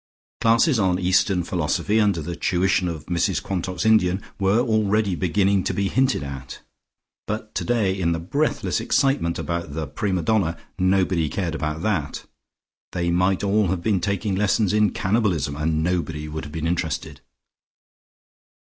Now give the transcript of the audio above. Classes on Eastern philosophy under the tuition of Mrs Quantock's Indian, were already beginning to be hinted at, but today in the breathless excitement about the prima donna nobody cared about that; they might all have been taking lessons in cannibalism, and nobody would have been interested.